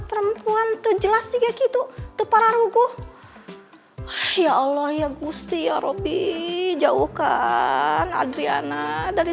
perempuan tuh jelas juga gitu tuh para ruguh ya allah ya gusti ya roby jauhkan adriana dari